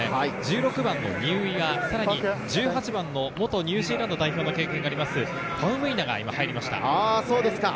１６番のニウイア、１８番の元ニュージーランド代表の経験があります、ファウムイナが入ります。